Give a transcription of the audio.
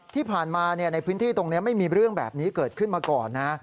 ที่ผ่านมาในพื้นที่ตรงนี้ไม่มีเรื่องแบบนี้เกิดขึ้นมาก่อนนะ